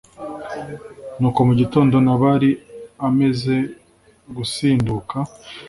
Nuko mu gitondo Nabali amaze gusinduka